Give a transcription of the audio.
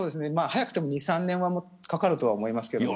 早くても２、３年はかかると思いますけど。